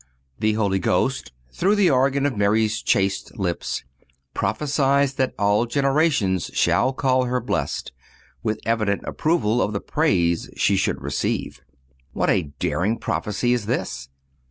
The Holy Ghost, through the organ of Mary's chaste lips, prophesies that all generations shall call her blessed, with evident approval of the praise she should receive. What a daring prophecy is this!